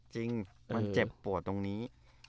จริงมันเจ็บปวดตรงนี้